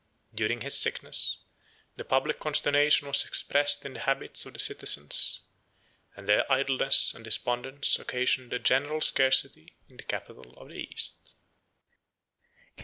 92 During his sickness, the public consternation was expressed in the habits of the citizens; and their idleness and despondence occasioned a general scarcity in the capital of the East.